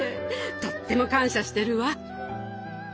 とっても感謝してるわ。